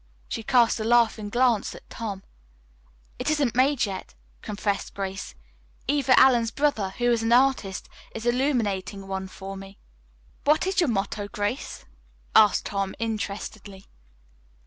She cast a laughing glance at Tom. "It isn't made yet," confessed Grace. "Eva Allen's brother, who is an artist, is illuminating one for me." "What is your motto, Grace?" asked Tom interestedly.